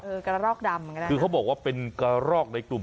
คือกะรอกดำดีกว่าคือเขาบอกว่าเป็นกะรอกในกลุ่ม